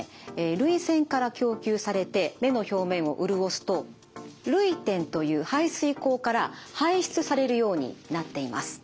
涙腺から供給されて目の表面を潤すと涙点という排水口から排出されるようになっています。